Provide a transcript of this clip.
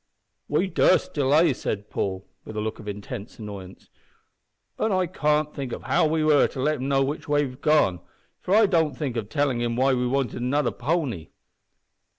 "We durstn't delay," said Paul, with a look of intense annoyance, "an' I can't think of how we are to let him know which way we've gone, for I didn't think of telling him why we wanted another pony."